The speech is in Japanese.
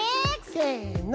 せの！